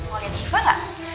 mau liat syifa gak